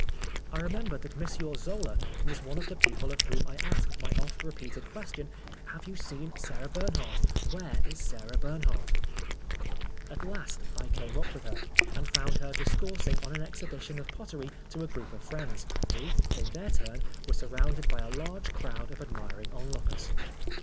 I remember that M. Zola was one of the people of whom I asked my oft repeated question, " Have you seen Sarah Bern hardt ? Where is Sarah Bernhardt ?" At last I came up with her, and found her discoursing on an exhibition of pottery to a group of friends, who, in their turn, were sur rounded by a large crowd of admiring onlookers.